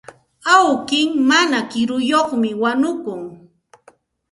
Awki mana kiruyuqmi wañukun.